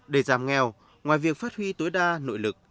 để giảm nghèo ngoài việc phát huy tối đa nội lực